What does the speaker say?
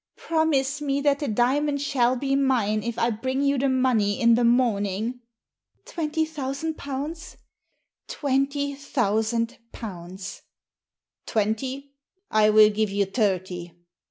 " "Promise me that the diamond shall be mine if I bring you the money in the morning." " Twenty thousand pounds ?"" Twenty thousand pounds !"" Twenty ? I will give you thirty